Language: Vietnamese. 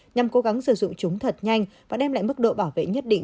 nhằm cố gắng sử dụng chúng thật nhanh và đem lại mức độ bảo vệ nhất định